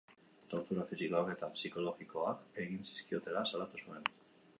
Tortura fisikoak eta psikologikoak egin zizkiotela salatu zuen.